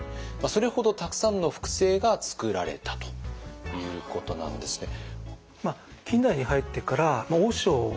それほどたくさんの複製が作られたということなんですね。